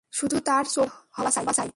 শুধু তার চোখ নষ্ট হওয়া চাই।